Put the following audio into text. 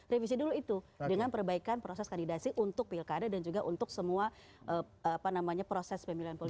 revisi dulu itu dengan perbaikan proses kandidasi untuk pilkada dan juga untuk semua proses pemilihan politik